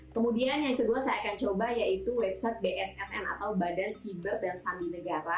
kemudian yang kedua saya akan coba yaitu website bssn atau badan siber dan sandi negara